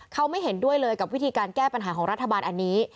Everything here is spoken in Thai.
เขาไม่เห็นด้วยเลยกับวิธีการแก้ปัญหาของรัฐบาลอันนี้